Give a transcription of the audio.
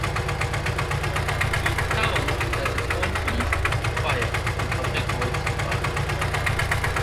The town has its own police, fire and public works departments.